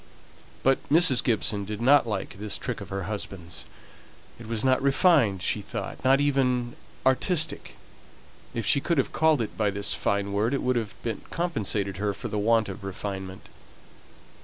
But Mrs. Gibson did not like this trick of her husband's; it was not refined she thought, not even "artistic;" if she could have called it by this fine word it would have compensated her for the want of refinement.